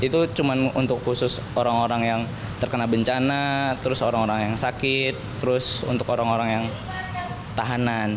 itu cuma untuk khusus orang orang yang terkena bencana terus orang orang yang sakit terus untuk orang orang yang tahanan